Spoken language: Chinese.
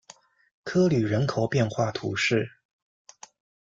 科吕人口变化图示